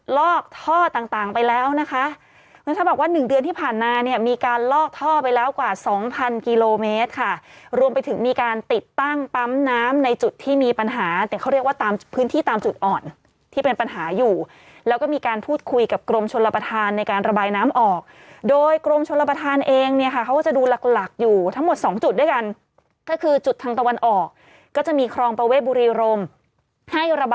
ลอกท่อไปแล้วกว่าสองพันกิโลเมตรค่ะรวมไปถึงมีการติดตั้งปั๊มน้ำในจุดที่มีปัญหาแต่เขาเรียกว่าตามพื้นที่ตามจุดอ่อนที่เป็นปัญหาอยู่แล้วก็มีการพูดคุยกับกรมชนรปฐานในการระบายน้ำออกโดยกรมชนรปฐานเองเนี่ยค่ะเขาจะดูหลักหลักอยู่ทั้งหมดสองจุดด้วยกันก็คือจุดทางตะวันออกก็จะมีคล